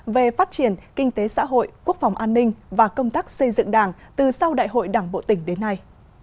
về phát triển kinh tế xã hội quốc phòng an ninh và công tác xây dựng đảng từ sau đại hội đảng bộ tỉnh đến nay